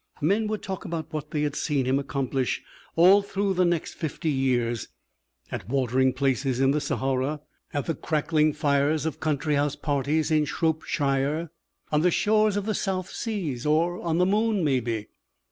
Men would talk about what they had seen him accomplish all through the next fifty years at watering places in the Sahara, at the crackling fires of country house parties in Shropshire, on the shores of the South Seas, on the moon, maybe.